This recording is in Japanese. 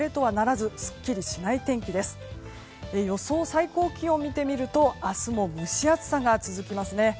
最高気温を見てみると明日も蒸し暑さが続きますね。